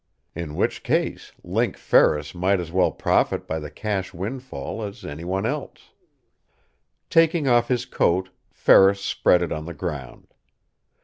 In which case Link Ferris might as well profit by the cash windfall as anyone else. Taking off his coat, Ferris spread it on the ground.